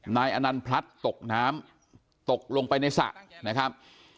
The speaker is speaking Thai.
นายอนันต์พลัดตกน้ำตกลงไปในสระนะครับ